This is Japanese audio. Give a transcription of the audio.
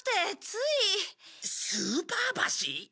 スーパー箸？